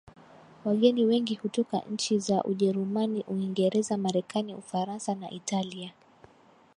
Wageni wengi hutoka nchi za Ujerumani Uingereza Marekani Ufaransa na Italia